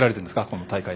この大会。